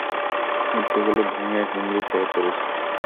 মূর্তিগুলো ভেঙ্গে হুমড়ি খেয়ে পড়ছে।